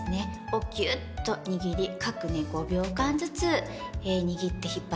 ギュッと握り各５秒間ずつ握って引っ張っていきます。